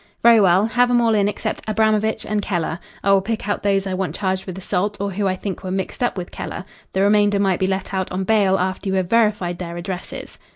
"Very well. Have 'em all in except Abramovitch and Keller. I will pick out those I want charged with assault, or who I think were mixed up with Keller. The remainder might be let out on bail after you have verified their addresses."